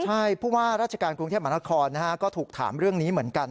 ใช่ผู้ว่าราชการกรุงเทพมหานครก็ถูกถามเรื่องนี้เหมือนกัน